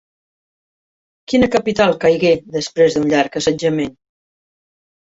Quina capital caigué després d'un llarg assetjament?